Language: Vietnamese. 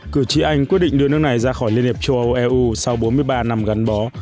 cử tri anh quyết định đưa nước này ra khỏi liên hiệp châu âu eu sau bốn mươi ba năm gắn bó